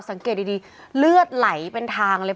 สังเกตดีเลือดไหลเป็นทางเลย